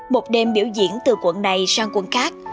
một đêm biểu diễn từ quận này sang quận khác